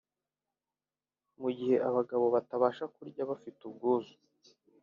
mu gihe abagabo batabasha kurya bafite ubwuzu